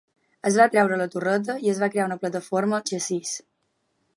Es va treure la torreta, i es va crear una plataforma al xassís.